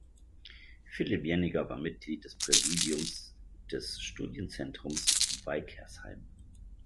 Philipp Jenninger war Mitglied des Präsidiums des Studienzentrums Weikersheim.